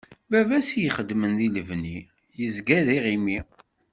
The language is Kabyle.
Baba-s ixeddmen di lebni yeẓga d iɣimi.